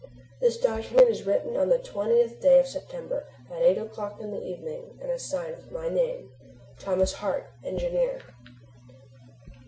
"This document is written on the twentieth day of September at eight o'clock in the evening and is signed with my name "THOMAS HART, Engineer."